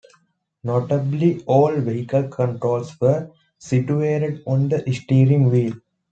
Notably, all vehicle controls were situated on the steering wheel.